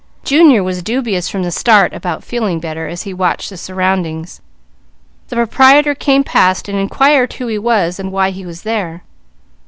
Junior was dubious from the start about feeling better, as he watched the surroundings. The proprietor came past and inquired who he was and why he was there.